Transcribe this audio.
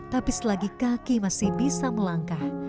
tapi selagi kaki masih bisa melangkah